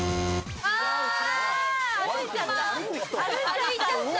歩いちゃった。